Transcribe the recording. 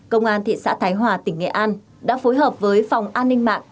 công an thị xã thái hòa tỉnh nghệ an đã phối hợp với phòng an ninh mạng